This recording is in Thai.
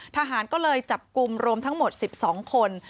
ทหารก็เลยจับกลุ่มรวมทั้งหมด๑๒คน